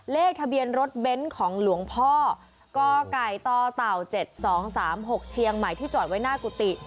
เลขทะเบียนรถเบนท์ของหลวงพ่อกกต๗๒๓๖เชียงใหม่ที่จอดไว้หน้ากุฏิ